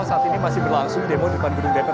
saat ini masih berlangsung demo di depan gedung dpr